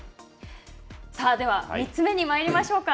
さあでは、３つ目にまいりましょうか。